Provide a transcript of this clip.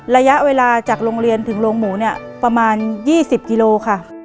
ระยะเวลาจากโรงเรียนถึงโรงหมูเนี่ยประมาณ๒๐กิโลค่ะ